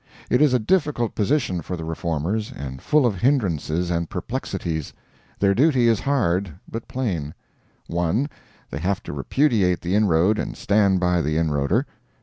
It is a difficult position for the Reformers, and full of hindrances and perplexities. Their duty is hard, but plain: 1. They have to repudiate the inroad, and stand by the inroader.